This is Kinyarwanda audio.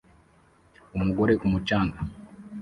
Umugore ku mucanga